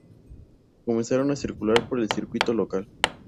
Comenzaron a circular por el circuito local.